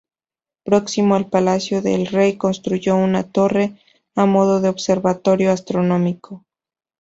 Próximo al palacio el rey construyó una torre a modo de observatorio astronómico.